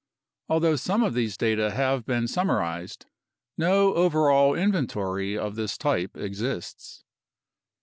Al though some of these data have been summarized, no overall inventory of this type exists.